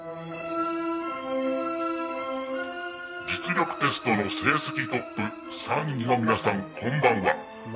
実力テストの成績トップ３人の皆さん、こんばんは。